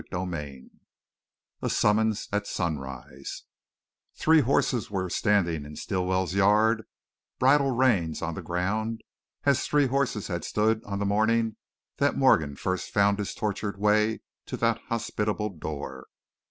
CHAPTER XXV A SUMMONS AT SUNRISE Three horses were standing in Stilwell's yard, bridle reins on the ground, as three horses had stood on the morning that Morgan first found his tortured way to that hospitable door.